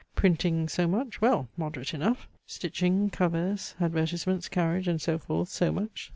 Printing, so much: well! moderate enough! Stitching, covers, advertisements, carriage, and so forth, so much."